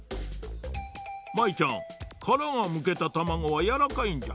舞ちゃんからがむけたたまごはやわらかいんじゃ。